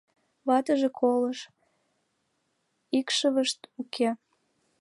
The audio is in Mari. Ватыже колыш, икшывышт уке.